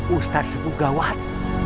ustadz sembuh gawat